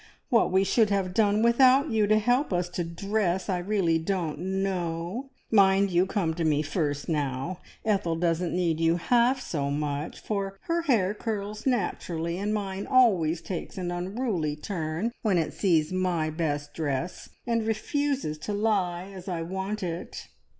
What we should have done without you to help us to dress, I really don't know! Mind you come to me first now. Ethel doesn't need you half so much, for her hair curls naturally, and mine always takes an unruly turn when it sees my best dress, and refuses to lie as I want it."